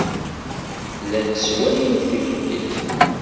Llant sswayent tibḥirt.